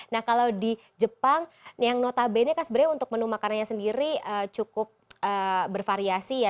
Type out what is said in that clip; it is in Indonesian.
nah kalau di jepang yang notabene kan sebenarnya untuk menu makanannya sendiri cukup bervariasi ya